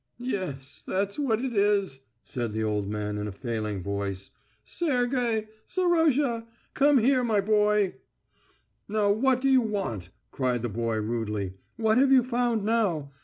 "Yes, that's what it is," said the old man in a failing voice. "Sergey! Serozha! Come here, my boy!" "Now what do you want?" cried the boy rudely. "What have you found now?